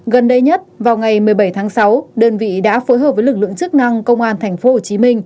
gần đây nhất vào ngày một mươi bảy tháng sáu đơn vị đã phối hợp với lực lượng chức năng công an tp hcm